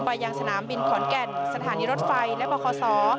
ยังสนามบินขอนแก่นสถานีรถไฟและบคศ